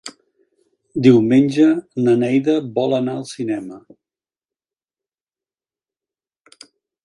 Diumenge na Neida vol anar al cinema.